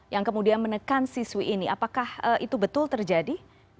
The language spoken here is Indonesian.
yang kemudian menekan siswi ini apakah itu betul terjadi